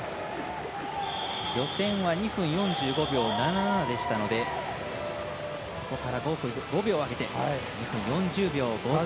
予選は２分４５秒７７でしたのでそこから５秒上げて２分４０秒５３。